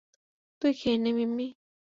তুই খেয়ে নে, মিম্মি।